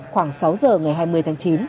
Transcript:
khoảng sáu giờ ngày hai mươi tháng chín